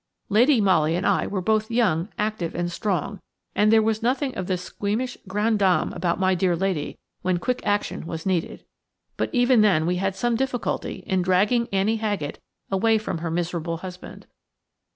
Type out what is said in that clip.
Lady Molly and I were both young, active and strong; and there was nothing of the squeamish grande dame about my dear lady when quick action was needed. But even then we had some difficulty in dragging Annie Haggett away from her miserable husband.